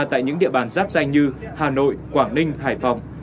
tại những địa bàn giáp danh như hà nội quảng ninh hải phòng